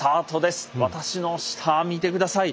私の下見て下さい。